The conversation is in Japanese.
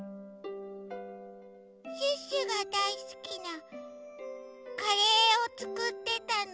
シュッシュがだいすきなカレーをつくってたの。